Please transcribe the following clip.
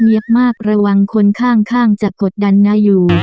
มากระวังคนข้างจะกดดันน่าอยู่